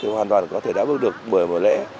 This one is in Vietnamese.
hoàn toàn có thể đáp ước được bởi một lẽ